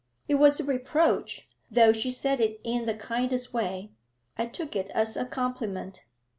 It was a reproach, though she said it in the kindest way; I took it as a compliment.